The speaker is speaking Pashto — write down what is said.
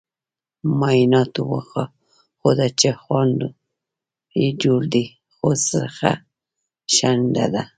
معایناتو وخوده چې خاوند یي جوړ دې خو خځه شنډه ده